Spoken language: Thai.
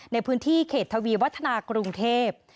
ในพื้นที่เขตทวีวัฒนากรุงเทพ